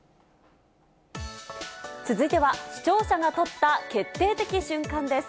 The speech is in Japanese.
続いては、視聴者が撮った決定的瞬間です。